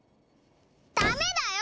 ダメだよ！